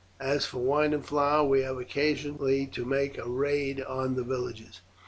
As for wine and flour, we have occasionally to make a raid on the villages."